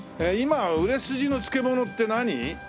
今売れ筋の漬物って何？